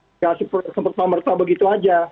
nggak sempat sempat memerta begitu aja